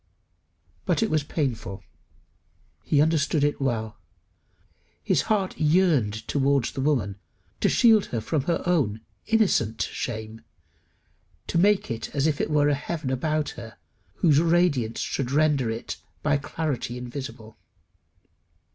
But it was painful. He understood it well. His heart yearned towards the woman to shield her from her own innocent shame, to make as it were a heaven about her whose radiance should render it "by clarity invisible."